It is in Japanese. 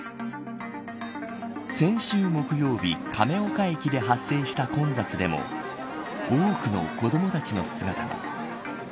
先週木曜日亀岡駅で発生した混雑でも多くの子どもたちの姿が。